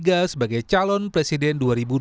pilihan mega sebagai calon presiden dua ribu dua puluh empat